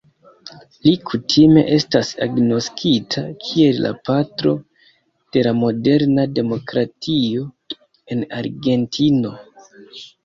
Li kutime estas agnoskita kiel "la patro de la moderna demokratio en Argentino".